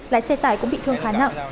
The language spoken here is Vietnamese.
lái xe tải cũng bị thương khá nặng